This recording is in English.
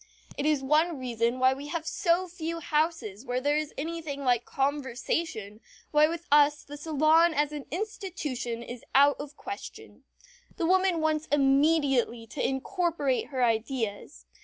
It is one reason why we have so few houses where there is anything like conversation, why with us the salon as an institution is out of question. The woman wants immediately to incorporate her ideas.